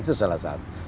itu salah satu